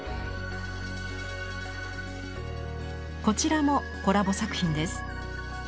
こちらもコラボ作品です。